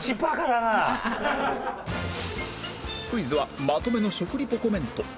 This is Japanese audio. クイズはまとめの食リポコメント